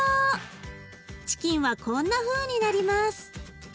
チキンはこんなふうになります。